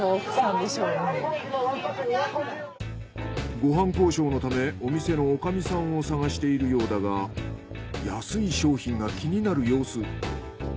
ご飯交渉のためお店の女将さんを探しているようだが安い商品が気になる様子。